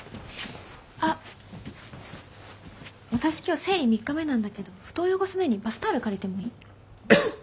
あっ私今日生理３日目なんだけど布団汚さないようにバスタオル借りてもいい？